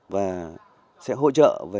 và sẽ hỗ trợ về